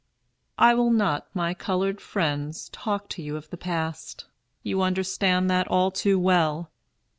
"I will not, my colored friends, talk to you of the past. You understand that all too well.